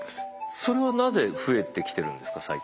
それはなぜ増えてきてるんですか最近。